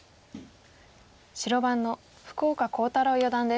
白番の福岡航太朗四段です。